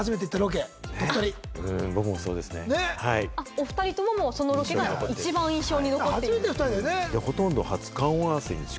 お２人ともそのロケが一番印象に残っている。